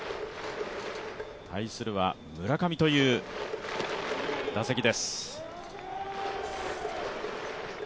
対するは村上という打席です。